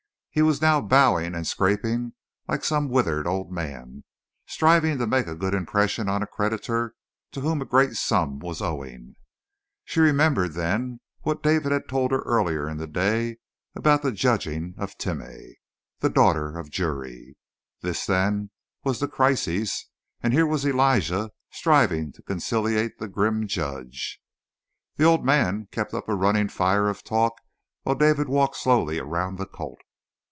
He was now bowing and scraping like some withered old man, striving to make a good impression on a creditor to whom a great sum was owing. She remembered then what David had told her earlier in the day about the judging of Timeh, the daughter of Juri. This, then, was the crisis, and here was Elijah striving to conciliate the grim judge. The old man kept up a running fire of talk while David walked slowly around the colt.